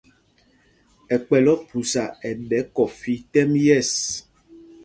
Ɛ kpɛl Ophusa ɛɗɛ kɔfí tɛ́m yɛ̂ɛs.